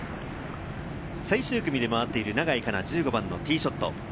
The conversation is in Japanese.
最終組で回っている永井花奈、１５番のティーショット。